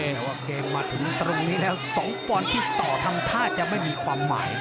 แต่ว่าเกมมาถึงตรงนี้แล้ว๒ปอนด์ที่ต่อทำท่าจะไม่มีความหมาย